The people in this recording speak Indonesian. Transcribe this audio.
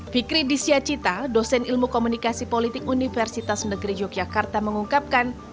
fikri disyacita dosen ilmu komunikasi politik universitas negeri yogyakarta mengungkapkan